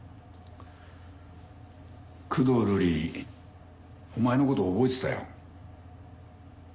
工藤瑠李お前の事覚えてたよ。